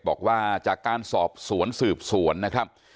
บอกว่าจากการสอบสวนสืบสวนนะครับ